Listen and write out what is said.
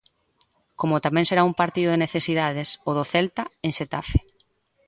Como tamén será un partido de necesidades o do Celta en Xetafe.